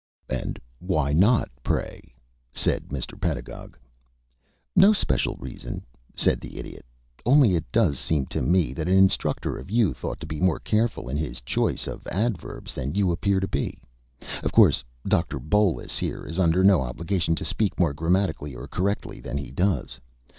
"And why not, pray?" said Mr. Pedagog. "No special reason," said the Idiot; "only it does seem to me that an instructor of youth ought to be more careful in his choice of adverbs than you appear to be. Of course Doctor Bolus here is under no obligation to speak more grammatically or correctly than he does.